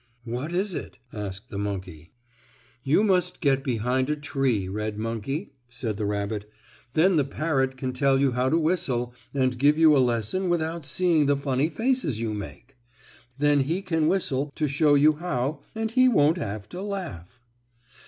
"What is it?" asked the monkey. "You must get behind a tree, red monkey," said the rabbit. "Then the parrot can tell you how to whistle, and give you a lesson without seeing the funny faces you make. Then he can whistle, to show you how, and he won't have to laugh."